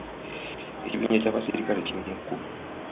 Ekibinja ky'abasirikale kiri mu kkubo.